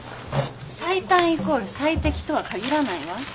最短イコール最適とは限らないわ。